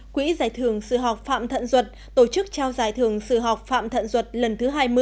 quỹ giải thưởng sự học phạm thận duật tổ chức trao giải thưởng sự học phạm thận duật lần thứ hai mươi